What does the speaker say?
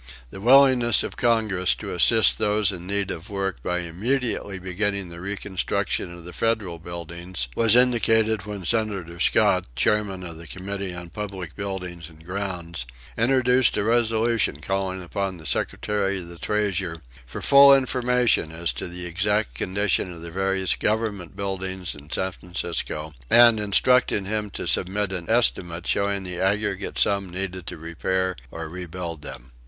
The willingness of Congress to assist those in need of work by immediately beginning the reconstruction of the Federal buildings was indicated when Senator Scott, chairman of the Committee on Public Buildings and Grounds, introduced a resolution calling upon the Secretary of the Treasury for full information as to the exact condition of the various government buildings in San Francisco, and instructing him to submit an estimate showing the aggregate sum needed to repair or rebuild them.